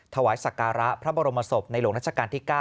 ถวายสักการะพระบรมศพในหลวงรัชกาลที่๙